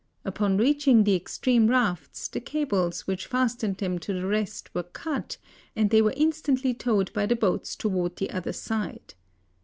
Upon reaching the extreme rafts, the cables which fastened them to the rest were cut, and they were instantly towed by the boats towards the other side.